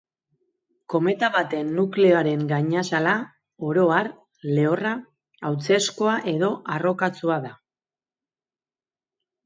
Kometa baten nukleoaren gainazala, oro har, lehorra, hautsezkoa edo arrokatsua da.